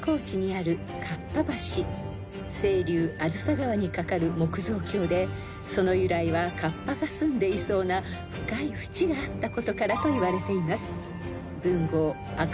［清流梓川に架かる木造橋でその由来はカッパがすんでいそうな深い淵があったことからといわれています］